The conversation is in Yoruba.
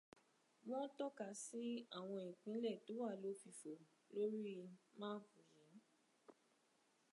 Wọ́n tọ́ka sí àwọn ìpínlẹ̀ tó wá lófìfo lóri máàpù yìí.